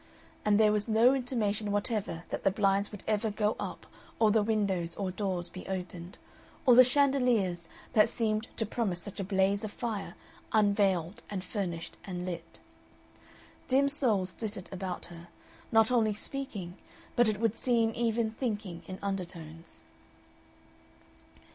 And there was no intimation whatever that the blinds would ever go up or the windows or doors be opened, or the chandeliers, that seemed to promise such a blaze of fire, unveiled and furnished and lit. Dim souls flitted about her, not only speaking but it would seem even thinking in undertones....